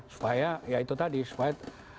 supaya ya itu tadi